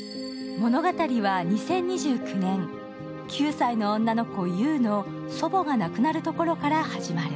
物語は２０２９年、９歳の女の子、木綿の祖母が亡くなるところから始まる。